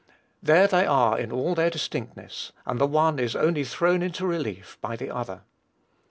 There they are in all their distinctness, and the one is only thrown into relief by the other.